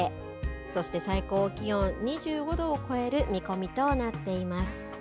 そして最高気温２５度を超える見込みとなっています。